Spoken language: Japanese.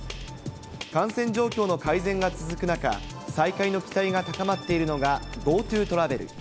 感染状況の改善が続く中、再開の期待が高まっているのがＧｏＴｏトラベル。